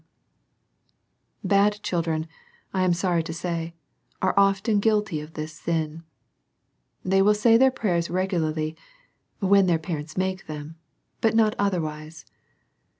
CHILDREN WALKING IN TRUTH. 29 Bad children, I am sorry to say, are often guilty of this sin. They will say their prayers regularly, when their parents make them, — but not otherwise.